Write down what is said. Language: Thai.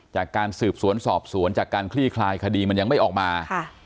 จากการสืบสวนสอบสวนจากการคลี่คลายคดีมันยังไม่ออกมา